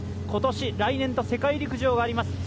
今年、来年と世界陸上があります。